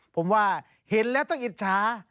ผมว่าเห็นแล้วต้องอิจฉา